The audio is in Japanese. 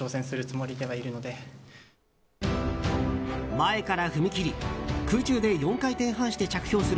前から踏み切り空中で４回転半して着氷する